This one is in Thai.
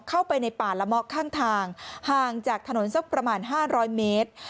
เข้าไปในป่าละเมาะข้างทางห่างจากถนนสักประมาณ๕๐๐เมตร